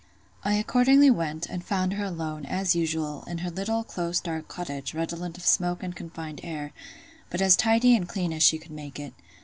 I accordingly went, and found her alone, as usual, in her little, close, dark cottage, redolent of smoke and confined air, but as tidy and clean as she could make it.